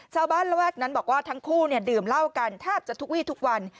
ชาวบ้านระแวกนั้นบอกว่าทั้งคู่เนี่ยดื่มเหล้ากันทาบจะทุกวีทุกวัน